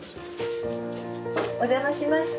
お邪魔しました。